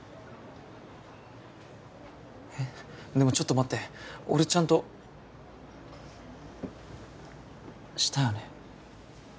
えっでもちょっと待って俺ちゃんとしたよね？